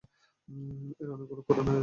এর অনেকগুলো কুরআনের আয়াতের সাথে মিলিত।